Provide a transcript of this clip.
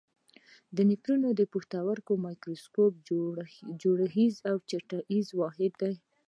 نفرون د پښتورګي میکروسکوپي جوړښتیز او چاڼیز واحد دی.